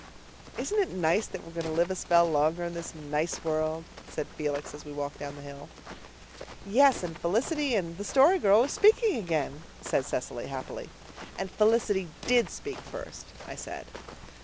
"Isn't it nice that we're going to live a spell longer in this nice world?" said Felix, as we walked down the hill. "Yes, and Felicity and the Story Girl are speaking again," said Cecily happily. "And Felicity DID speak first," I said.